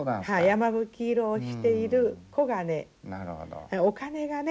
山吹色をしている黄金お金がね